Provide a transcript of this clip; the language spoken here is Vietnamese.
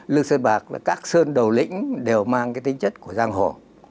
lực sân bạc và các sơn đầu lĩnh đều mang cái tính chất của giang hồ